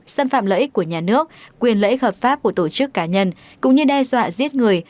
xâm phạm lợi ích của nhà nước quyền lợi ích hợp pháp của tổ chức cá nhân cũng như đe dọa giết người